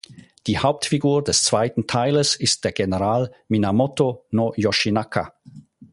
Die Hauptfigur des zweiten Teiles ist der General Minamoto no Yoshinaka.